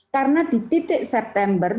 karena di titik september